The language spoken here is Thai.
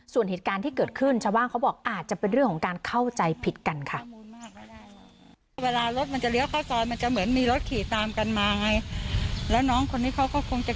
ส่วนเหตุการณ์ที่เกิดขึ้นชาวบ้านเขาบอกอาจจะเป็นเรื่องของการเข้าใจผิดกันค่ะ